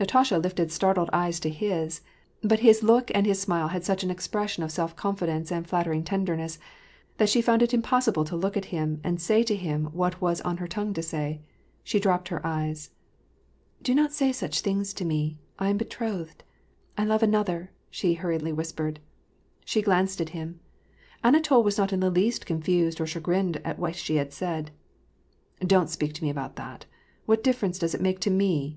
Natasha lifted startled eyes to his ; but his look and his smile had such an expression of self confidence and flattering tenderness that she found it impossible to look at him and say to him what was on her tongue to say. She dropped her eyes. "Do not say such things to me ; I am betrothed — I love another," she hurriedly whispered. She glanced at him. Anatol was not in the least confused or chagrined at what she said. " Don't speak to me about that. What difference does it make to me ?